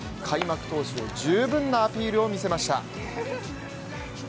開幕投手へ十分なアピールを見せました。